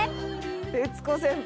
徹子先輩